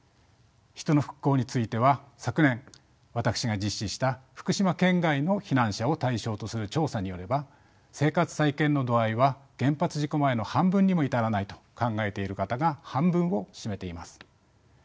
人の復興については昨年私が実施した福島県外の避難者を対象とする調査によれば生活再建の度合いは原発事故前の半分にも至らないと考えている方が半分を占めています。